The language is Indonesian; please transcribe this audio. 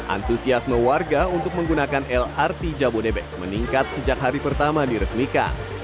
antusiasme warga untuk menggunakan lrt jabodebek meningkat sejak hari pertama diresmikan